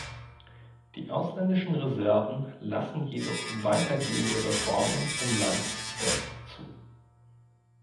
Die ausländischen Reserven lassen jedoch weitergehende Reformen im Land selbst zu.